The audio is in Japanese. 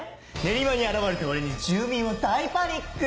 練馬に現れた俺に住民は大パニック。